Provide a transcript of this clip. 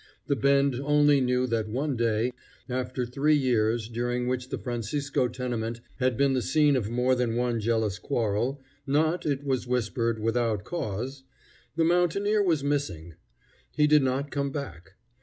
The Bend only knew that one day, after three years during which the Francisco tenement had been the scene of more than one jealous quarrel, not, it was whispered, without cause, the mountaineer was missing. He did not come back.